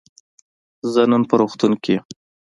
زه نن په روغتون کی یم.